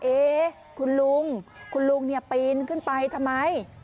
เอ๊ะคุณลุงคุณลุงปีนขึ้นไปทำไม